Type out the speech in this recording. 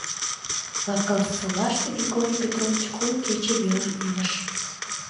Лапкасолаште Григорий Петрович кум кече веле илыш.